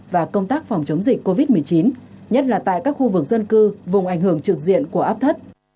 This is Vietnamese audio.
và công tác phòng chống dịch covid một mươi chín nhất là tại các khu vực dân cư vùng ảnh hưởng trực diện của áp thấp